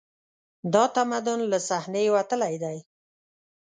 دا تمدن له صحنې وتلی و